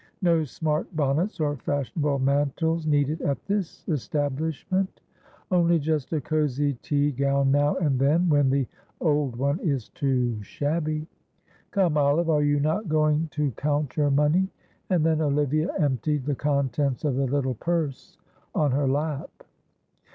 "No smart bonnets or fashionable mantles needed at this establishment; only just a cosy tea gown now and then when the old one is too shabby. Come, Olive, are you not going to count your money?" And then Olivia emptied the contents of the little purse on her lap.